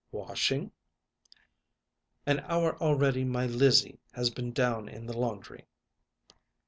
"Washing?" "An hour already my Lizzie has been down in the laundry."